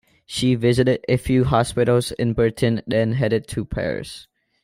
She visited a few hospitals in Britain and then headed to Paris.